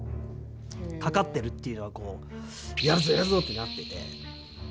かかってるっていうのは、こうってなってて。